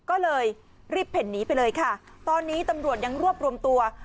ก็เลยรีบเพ่นหนีไปเลยค่ะตอนนี้ตำรวจยังรวบรวมตัว